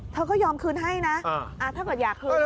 เธอก็ยอมคืนให้นะถ้าเกิดอยากคืน